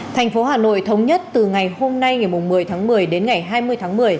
thành phố hà nội thống nhất từ ngày hôm nay ngày một mươi tháng một mươi đến ngày hai mươi tháng một mươi